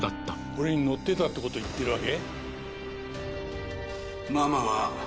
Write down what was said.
これに乗ってたってこと言ってるわけ？